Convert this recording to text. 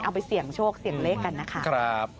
เอาไปเสี่ยงโชคเสี่ยงเลขกันนะคะ